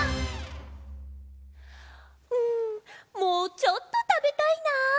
んもうちょっとたべたいな。